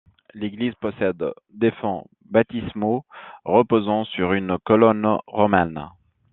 L'église possède des fonts baptismaux reposant sur une colonne romaine.